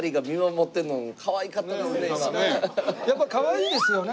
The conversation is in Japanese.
やっぱかわいいですよね。